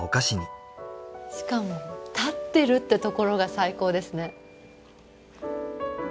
しかも立ってるってところが最高ですね。